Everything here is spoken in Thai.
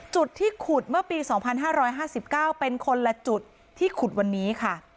จุดที่ขุดเมื่อปี๒๕๕๙เป็นคนละจุดที่ขุดวันนี้ค่ะ